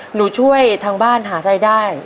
หนูช่วยทางบ้านหารายได้